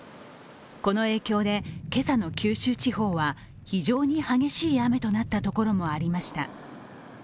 この影響で今朝の九州地方は非常に激しい雨となった所もありました。